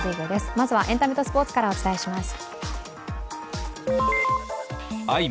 まずはエンタメとスポーツからお伝えします。